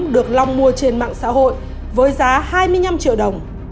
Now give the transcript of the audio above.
được long mua trên mạng xã hội với giá hai mươi năm triệu đồng